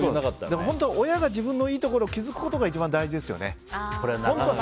でも本当は親が自分のいいところを気付くのが一番大事ですよね。